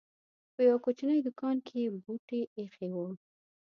په يوه کوچنۍ دوکان کې یې بوټي اېښي وو.